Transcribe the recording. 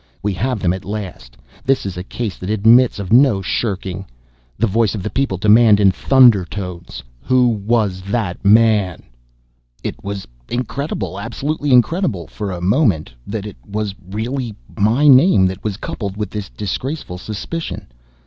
We have them at last! This is a case that admits of no shirking. The voice of the people demands in thunder tones, "WHO WAS THAT MAN?" It was incredible, absolutely incredible, for a moment, that it was really my name that was coupled with this disgraceful suspicion.